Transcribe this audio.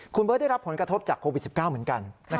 คุณเบิร์ตได้รับผลกระทบจากโควิด๑๙เหมือนกัน